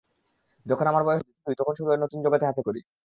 যখন আমার বয়স দুই, শুরু হয় নতুন জগতে হাতেখড়ি।